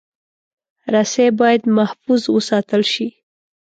رسۍ باید محفوظ وساتل شي.